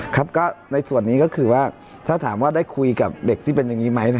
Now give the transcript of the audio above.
ครับก็ในส่วนนี้ก็คือว่าถ้าถามว่าได้คุยกับเด็กที่เป็นอย่างนี้ไหม